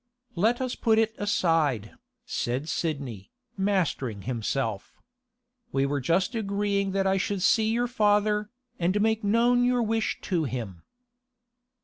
'Let us put it aside,' said Sidney, mastering himself. 'We were just agreeing that I should see your father, and make known your wish to him.